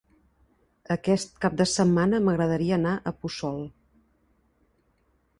Aquest cap de setmana m'agradaria anar a Puçol.